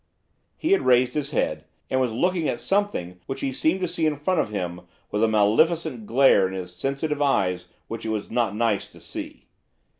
He had raised his head, and was looking at something which he seemed to see in front of him with a maleficent glare in his sensitive eyes which it was not nice to see.